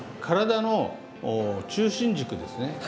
体の中心軸ですね